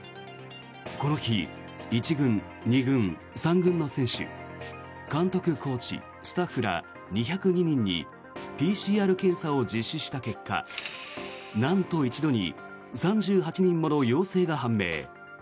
この日１軍、２軍、３軍の選手監督、コーチスタッフら２０２人にＰＣＲ検査を実施した結果なんと一度に３８人もの陽性が判明。